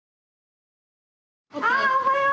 あおはよう！